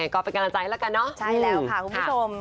ก็เป็นกำลังใจแล้วกันเนอะค่ะคุณผู้ชมใช่แล้วค่ะ